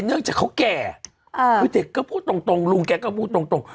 เนื่องจากเขาแก่คือเด็กก็พูดตรงตรงลุงแกก็พูดตรงตรง